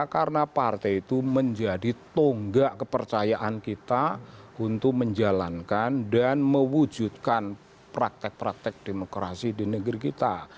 karena partai itu menjadi tonggak kepercayaan kita untuk menjalankan dan mewujudkan praktek praktek demokrasi di negeri kita